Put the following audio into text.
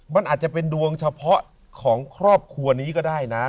มันอาจจะเป็นดวงเฉพาะของครอบครัวนี้ก็ได้นะ